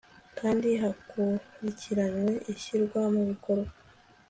kandi hakurikiranywe ishyirwa mu bikorwa